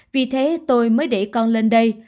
vì thế tôi mới để con lên đây